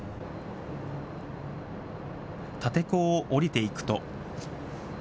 立て坑を降りていくと。